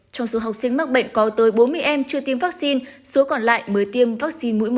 trong số học sinh mắc bệnh có tới bốn mươi em chưa tiêm vaccine số còn lại mới tiêm vaccine mũi một